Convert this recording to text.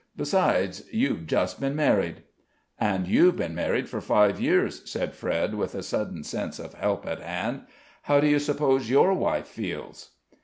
Besides, you've just been married." "And you've been married for five years," said Fred, with a sudden sense of help at hand. "How do you suppose your wife feels?"